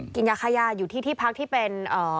กินยาค่ายาอยู่ที่ที่พักที่เป็น